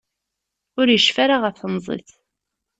Ur yecfi ara ɣef temẓi-s.